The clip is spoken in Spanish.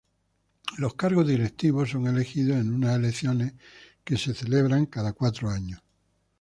Los cargos directivos son elegidos en unas elecciones que se celebran cada cuatro años.